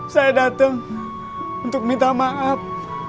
saya datang untuk minta maaf